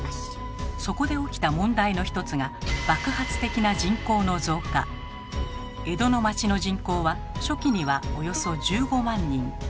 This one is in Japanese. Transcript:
そこで起きた問題の一つが江戸の町の人口は初期にはおよそ１５万人。